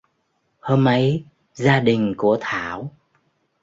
hôm ấy gia đình của thảo